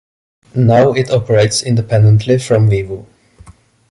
Now it operates independently from Vivo.